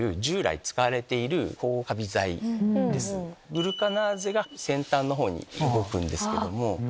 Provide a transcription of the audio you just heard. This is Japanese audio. グルカナーゼが先端の方に動くんですけども。